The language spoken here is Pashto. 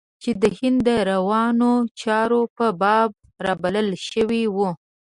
چې د هند د روانو چارو په باب رابلل شوی و.